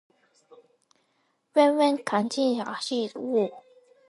爸爸和妈妈分别牵着孩子的两只手